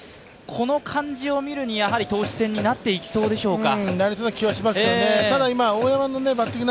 この感じを見るに当たり、やはり投手戦になっていきそうですか？